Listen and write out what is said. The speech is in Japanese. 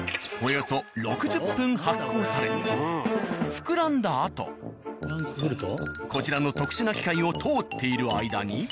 およそ６０分発酵され膨らんだあとこちらの特殊な機械を通っている間に。